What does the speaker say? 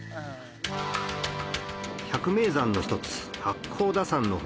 百名山の一つ八甲田山の麓